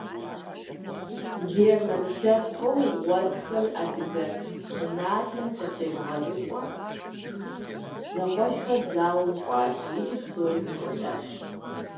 Герман лъэпкъыу гъуэтхэр адыгэ щӏыналъэм къыщебгъэрыкӏуэм зэкъуэшхэр зауэм кӏуащ икӏи псори хэкӏуэдащ.